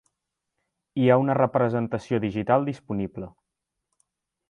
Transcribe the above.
Hi ha una representació digital disponible.